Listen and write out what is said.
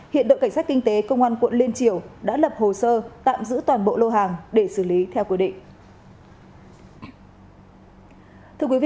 hiện đội cảnh sát kinh tế công an quận liên triều đã lập hồ sơ tạm giữ toàn bộ lô hàng để xử lý theo quy định